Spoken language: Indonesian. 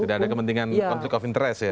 tidak ada kepentingan konflik of interest ya